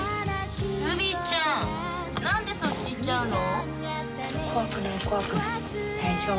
ルビーちゃん何でそっち行っちゃうの？